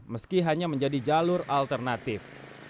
meski hanya menjadi jalur alternatif